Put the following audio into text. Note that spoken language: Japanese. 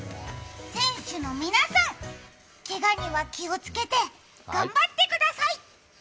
選手の皆さん、けがには気をつけて頑張ってください。